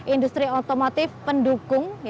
industri otomotif pendukung